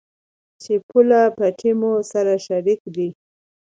چې پوله، پټي مو سره شريک دي.